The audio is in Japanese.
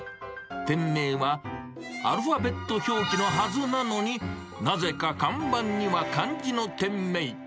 店名は、アルファベット表記のはずなのに、なぜか看板には漢字の店名。